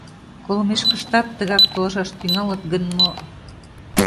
Колымешкыштат тыгак толашаш тӱҥалыт гын, мо